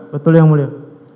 betul yang mulia